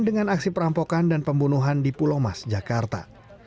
dengan aksi perampokan dan pembunuhan di pulau mas jakarta